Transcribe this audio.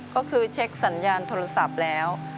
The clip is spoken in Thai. ก็คือเช็คสัญญาณโทรศัพท์แล้ว